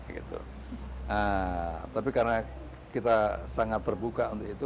nah tapi karena kita sangat terbuka untuk itu